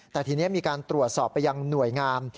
แต่ทีนี้มีการตรวจสอบไปยังหน่วยงาม